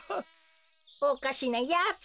おかしなやつ。